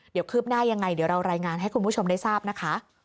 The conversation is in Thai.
เดี๋ยวคืบหน้ายังไงเดี๋ยวเรารายงานให้คุณผู้ชมได้ทราบนะคะ